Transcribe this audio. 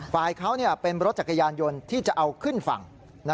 ฝ่ายเขาเป็นรถจักรยานยนต์ที่จะเอาขึ้นฝั่ง